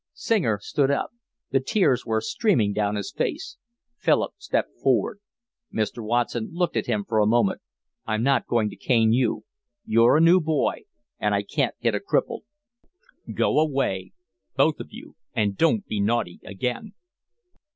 Singer stood up. The tears were streaming down his face. Philip stepped forward. Mr. Watson looked at him for a moment. "I'm not going to cane you. You're a new boy. And I can't hit a cripple. Go away, both of you, and don't be naughty again."